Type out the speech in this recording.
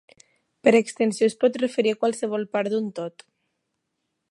Per extensió es pot referir a qualsevol part d'un tot.